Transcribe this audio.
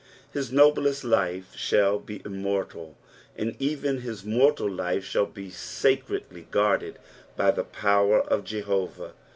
His noblest life shall be immortal, and even his mortal lite shall be sacredly guarded by tlie power ot Jehovah.